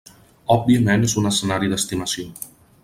Òbviament és un escenari d'estimació.